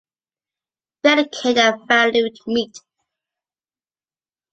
Delicate and valued meat.